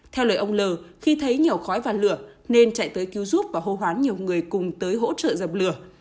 theo lời ông l khi thấy nhiều khói và lửa nên chạy tới cứu giúp và hô hoán nhiều người cùng tới hỗ trợ dập lửa